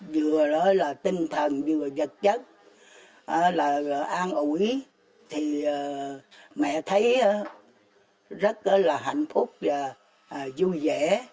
vừa là tinh thần vừa là vật chất là an ủi